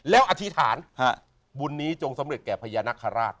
แล้วอธิษฐานบุญนี้จงสำเร็จแก่พญานาคาราช